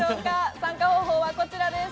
参加方法はこちらです。